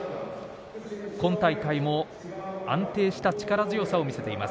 今大会も安定した力強さを見せています。